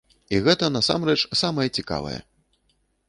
І гэта насамрэч самае цікавае!